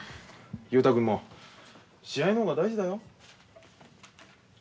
雄太君も試合の方が大事だよ。